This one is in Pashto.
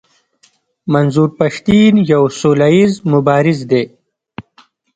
منظور پښتين يو سوله ايز مبارز دی.